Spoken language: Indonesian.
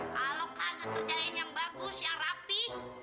kalo kagak kerjain yang bagus yang rapi